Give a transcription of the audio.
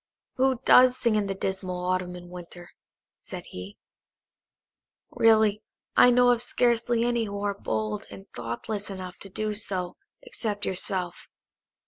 "Who does sing in the dismal Autumn and Winter?" said he. "Really, I know of scarcely any who are bold and thoughtless enough to do so except yourself.